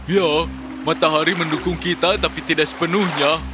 ya matahari mendukung kita tapi tidak sepenuhnya